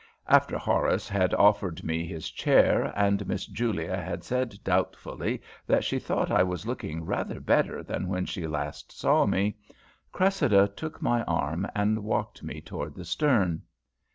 After Horace had offered me his chair and Miss Julia had said doubtfully that she thought I was looking rather better than when she last saw me, Cressida took my arm and walked me off toward the stern.